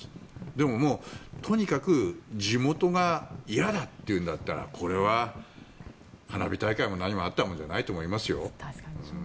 でも、とにかく地元が嫌だって言うんだったらこれは花火大会も何もあったものじゃないと思いますよ。